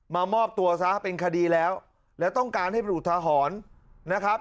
มามอบตัวซะเป็นคดีแล้วแล้วต้องการให้บรูทหรณ์นะครับ